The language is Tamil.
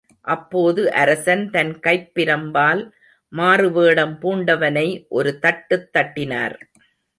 அப்போது அரசன் தன் கைப்பிரம்பால் மாறு வேடம் பூண்டவனை ஒரு தட்டுத் தட்டினார்.